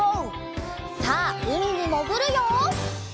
さあうみにもぐるよ！